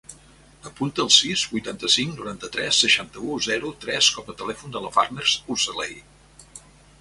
Apunta el sis, vuitanta-cinc, noranta-tres, seixanta-u, zero, tres com a telèfon de la Farners Urcelay.